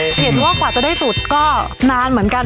เห็นว่ากว่าจะได้สุดก็นานเหมือนกัน